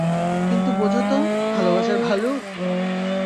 কিন্তু বোঝো তো, ভালোবাসার ভালুক?